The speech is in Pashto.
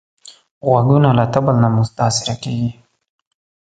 غوږونه له طبل نه متاثره کېږي